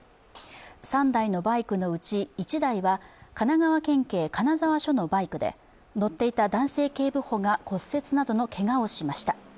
３台のバイクのうち１台は神奈川県警金沢署のバイクで乗っていた男性警部補が骨折などのけがをしました。